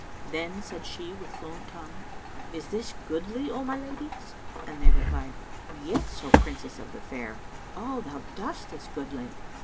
Then said she with fluent tongue, "Is this goodly, O my ladies?"; and they replied, "Yes, O Princess of the fair! All thou dost is goodly."